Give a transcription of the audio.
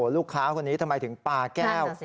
ลูกค้าคนนี้ทำไมถึงปลาแก้ว